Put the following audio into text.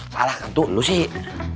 salahkan dulu sih